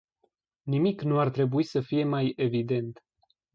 Nimic nu ar trebui să fie mai evident.